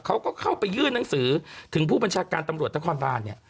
เค้าก็เข้าไปยื่นหนังสือถึงผู้บัญชาการตำรวจทั้งความบ้าน